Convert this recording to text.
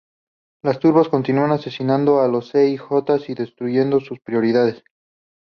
Las turbas continúan asesinando a los sij y destruyendo sus propiedades.